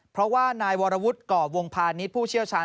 เพราะว่านายวรวุฒิก่อวงพาณิชย์ผู้เชี่ยวชาญ